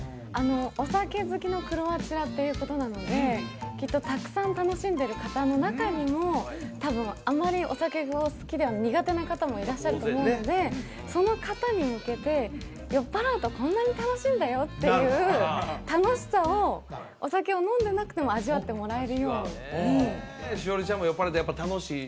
お酒好きのクロアチアっていうことなのできっとたくさん楽しんでる方の中にも多分あまりお酒を好きでは苦手な方もいらっしゃると思うのでその方に向けて酔っ払うとこんなに楽しいんだよっていう楽しさをお酒を飲んでなくても味わってもらえるように栞里ちゃんも酔っ払うとやっぱ楽しい？